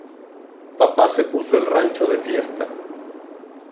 Papá se puso el rancho de fiesta.